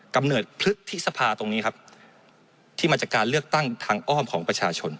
กำเนิดพฤษภาตรงนี้ครับที่มาจากการเลือกตั้งทางอ้อมของประชาชน